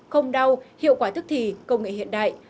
không đau hiệu quả thức thì công nghệ hiện đại